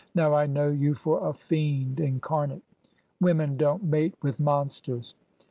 Now I know you for a fiend incar» nate! Women don't mate with monsters!"